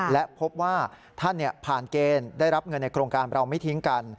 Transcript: และพบว่าท่านผ่านเกณฑ์ได้รับเงินในโครงการเราไม่ทิ้งกัน